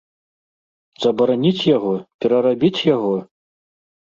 Забараніць яго, перарабіць яго?